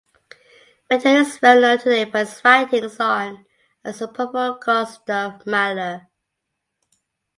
Ritter is well known today for his writings on and support for Gustav Mahler.